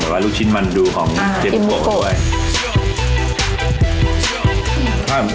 เป็นหลายลูกชิ้นมันดูของเจมส์บุโกะด้วย